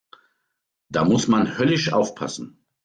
Da muss man höllisch aufpassen.